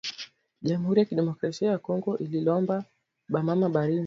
Jamuri yaki democracia ya kongo inalomba ba mama ba rime